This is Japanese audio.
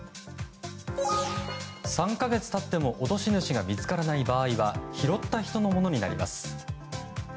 ３か月経っても落とし主が見つからない場合は拾った人のものになります。